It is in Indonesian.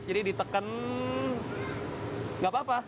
jadi diteken nggak apa apa